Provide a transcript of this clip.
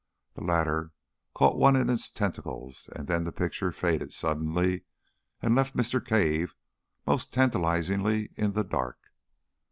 The latter caught one in its tentacles, and then the picture faded suddenly and left Mr. Cave most tantalisingly in the dark.